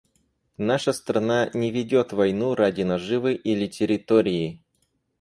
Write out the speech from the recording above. «Наша страна не ведет войну ради наживы или территории.